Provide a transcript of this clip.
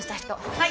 はい！